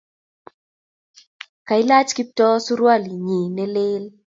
Kailach Kiptoo surualinyi nelel